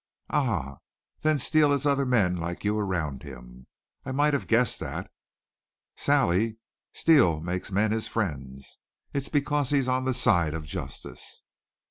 "Ah! Then Steele has other men like you around him. I might have guessed that." "Sally, Steele makes men his friends. It's because he's on the side of justice."